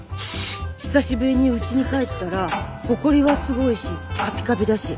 久しぶりにうちに帰ったらほこりはすごいしカピカピだし